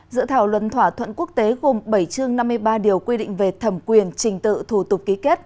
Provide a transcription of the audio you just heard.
dự thảo luận thỏa thuận quốc tế gồm bảy chương năm mươi ba điều quy định về thẩm quyền trình tự thủ tục ký kết